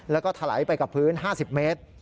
แล้วก็ถลายไปกับพื้น๕๐เมตร